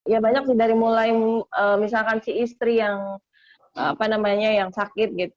ya banyak sih dari mulai misalkan si istri yang sakit